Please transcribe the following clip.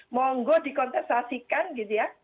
monggo dikontestasikan gitu ya